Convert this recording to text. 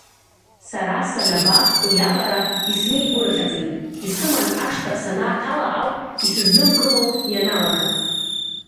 Сара санаба уиаҟара исмеигәырӷьаӡеит, исыман ашҭа санааҭала ауп исызнымкыло ианалага.